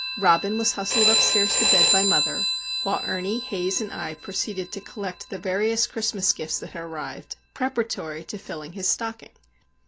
Robin was hustled upstairs to bed by mother; while Ernie, Haze, and I proceeded to collect the various Christmas gifts that had arrived, preparatory to filling his stocking.